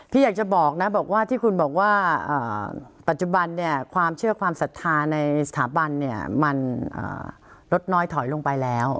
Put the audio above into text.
อยากจะบอกนะบอกว่าที่คุณบอกว่าปัจจุบันเนี่ยความเชื่อความศรัทธาในสถาบันเนี่ยมันลดน้อยถอยลงไปแล้ว